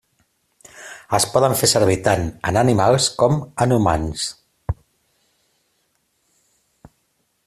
Es poden fer servir tant en animals com en humans.